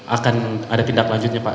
akan ada tindak lanjutnya pak